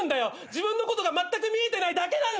自分のことがまったく見えてないだけなんだよ！